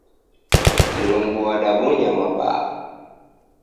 Mlungu wadabonya mabaa.